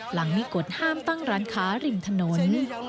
หลังมีกฎห้ามตั้งร้านค้าริมถนน